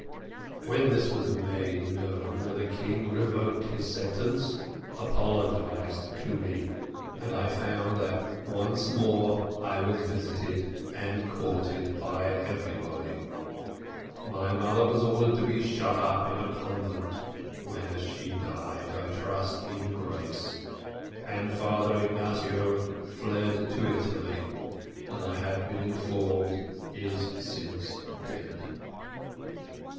"When this was made known, the king revoked his sentence, apologised to me, and I found that once more I was visited and courted by everybody. My mother was ordered to be shut up in a convent, where she died, I trust, in grace, and Father Ignatio fled to Italy, and I have been informed is since dead.